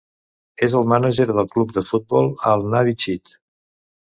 És el mànager del club de futbol Al-Nabi Chit.